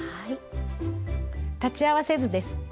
裁ち合わせ図です。